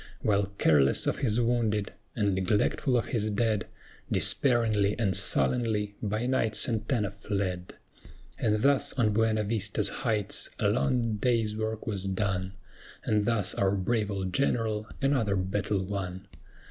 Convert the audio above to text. While careless of his wounded, and neglectful of his dead, Despairingly and sullenly by night SANTANA fled. And thus on BUENA VISTA'S heights a long day's work was done, And thus our brave old General another battle won.